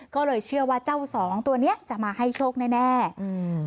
ก็เลยเชื่อว่าเจ้าสองตัวเนี้ยจะมาให้โชคแน่แน่อืม